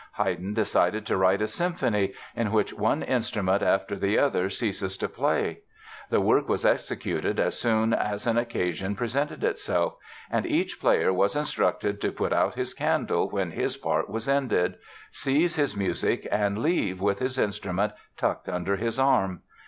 Haydn decided to write a symphony in which one instrument after the other ceases to play. The work was executed as soon as an occasion presented itself, and each player was instructed to put out his candle when his part was ended, seize his music and leave with his instrument tucked under his arm.